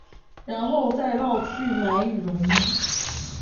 然后再绕去买羽绒衣